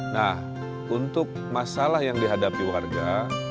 nah untuk masalah yang dihadapi warga